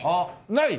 ない？